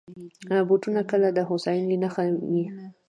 بوټونه کله د هوساینې نښه وي.